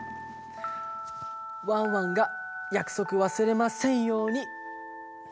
ワンワンがやくそくわすれませんように。